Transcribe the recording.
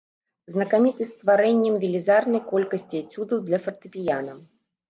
Знакаміты стварэннем велізарнай колькасці эцюдаў для фартэпіяна.